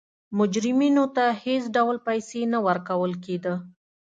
مجرمینو ته هېڅ ډول پیسې نه ورکول کېده.